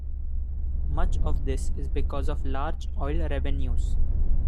Much of this is because of large oil revenues.